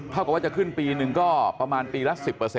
กับว่าจะขึ้นปีหนึ่งก็ประมาณปีละ๑๐